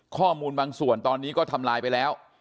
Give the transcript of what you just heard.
ข้อมูลบางส่วนตอนนี้ก็ทำลายไปแล้ว